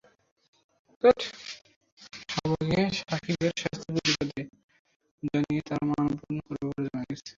শাহবাগে সাকিবের শাস্তির প্রতিবাদ জানিয়ে তারা মানববন্ধন করবে বলে জানা গেছে।